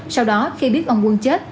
sau đó khi biết ông quân chết